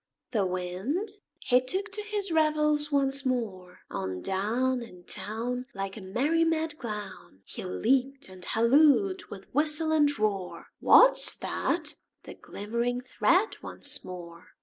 The Wind, he took to his revels once more; On down In town, Like a merry mad clown, He leaped and hallooed with whistle and roar, "What's that?" The glimmering thread once more!